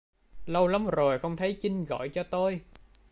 Lâu lắm rồi không có thấy chinh gọi cho tôi